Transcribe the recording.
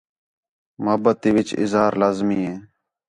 محبت تی وِچ اظہار لازمی ہے